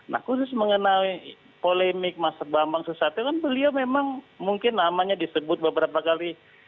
nah khusus mengenai polemik mas bambang susatyo kan beliau memang mungkin namanya disebut beberapa kali